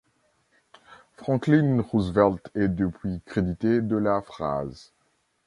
Franklin Roosevelt est depuis crédité de la phrase.